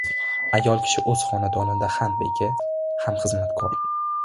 • Ayol kishi o‘z xonadonida ham beka, ham xizmatkor.